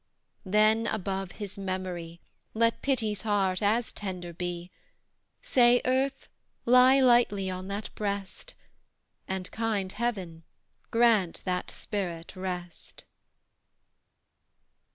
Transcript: Then above his memory Let Pity's heart as tender be; Say, "Earth, lie lightly on that breast, And, kind Heaven, grant that spirit rest!"